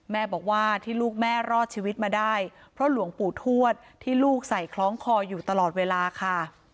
แม่บอกว่าที่ลูกแม่รอดชีวิตมาได้เพราะหลวงปู่ทวดที่ลูกใส่คล้องคออยู่ตลอดเวลาค่ะ